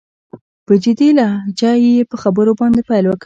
په جدي لهجه يې په خبرو باندې پيل وکړ.